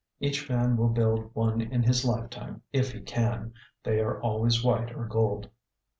Each man will build one in his lifetime if he can. They are always white or gold.